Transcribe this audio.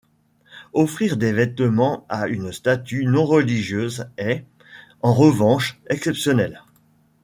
Offrir des vêtements à une statue non-religieuse est, en revanche, exceptionnel.